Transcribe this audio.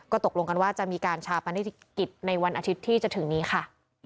ตกลงกันว่าจะมีการชาปนกิจในวันอาทิตย์ที่จะถึงนี้ค่ะ